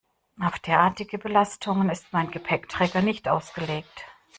Auf derartige Belastungen ist mein Gepäckträger nicht ausgelegt.